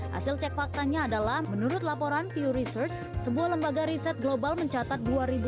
hasil cek faktanya adalah menurut laporan pew research sebuah lembaga riset global mencatat dua ribu sepuluh